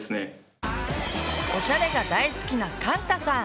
おしゃれが大好きなかんたさん。